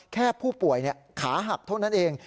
แค่ผู้ป่วยขาหักเท่านั้นเอง